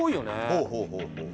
ほうほうほうほう。